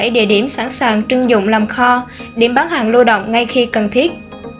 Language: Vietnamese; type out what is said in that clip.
chín trăm hai mươi bảy địa điểm sẵn sàng trưng dụng làm kho điểm bán hàng lưu động ngay khi cần thiết